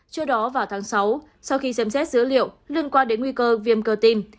trước đó vào tháng sáu sau khi xem xét dữ liệu liên quan đến nguy cơ viêm cơ tim